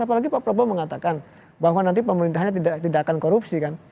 apalagi pak prabowo mengatakan bahwa nanti pemerintahnya tidak akan korupsi kan